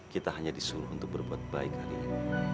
kita hanya disuruh untuk berbuat baik hari ini